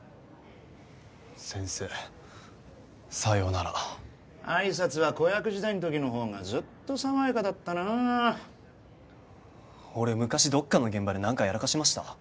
先生さようなら挨拶は子役時代のときの方がずっと爽やかだったなあ俺昔どっかの現場で何かやらかしました？